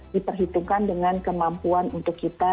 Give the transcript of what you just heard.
diperhitungkan dengan kemampuan untuk kita